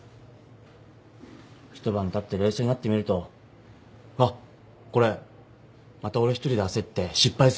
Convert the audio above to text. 一晩たって冷静になってみるとあっこれまた俺１人で焦って失敗するパターンだわって思って。